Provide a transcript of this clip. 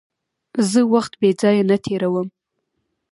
زه وخت بېځایه نه تېرووم.